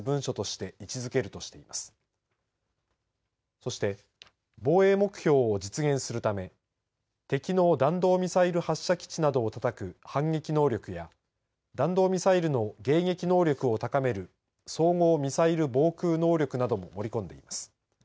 そして、防衛目標を実現するため、敵の弾道ミサイル発射基地などをたたく反撃能力や、弾道ミサイルの迎撃能力を高める、総合ミサイル防空能力なども盛り込んでいます。